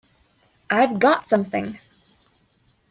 I've got something!